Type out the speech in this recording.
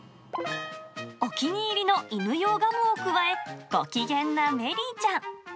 お気に入りの犬用ガムを加え、ご機嫌なメリーちゃん。